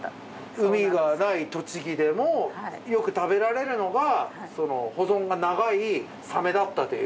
海がない栃木でもよく食べられるのが保存が長いサメだったという。